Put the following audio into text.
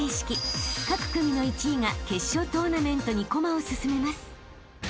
［各組の１位が決勝トーナメントに駒を進めます］